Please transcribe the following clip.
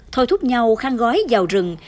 thôi thúc nhau khăn gói vào rừng